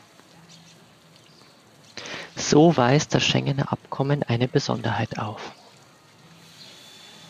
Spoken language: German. So weist das Schengener Abkommen eine Besonderheit auf.